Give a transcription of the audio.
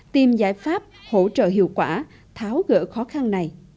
tìm giải pháp hỗ trợ hiệu quả tháo gỡ khó khăn này